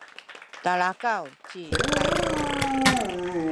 talakaw ci Taymu